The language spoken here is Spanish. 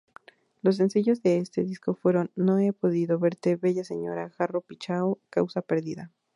Los Sencillos de este disco fueron:"No he podido verte","Bella señora","Jarro pichao","Causa perdida".